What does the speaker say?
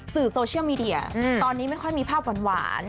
สื่อโซเชียลมีเดียตอนนี้ไม่ค่อยมีภาพหวาน